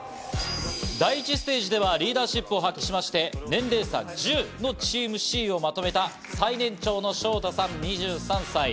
第１ステージではリーダーシップを発揮しまして、年齢差１０のチームＣをまとめた最年長のショウタさん、２３歳。